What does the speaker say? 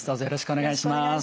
よろしくお願いします。